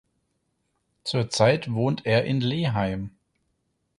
Zurzeit wohnt er in Leeheim.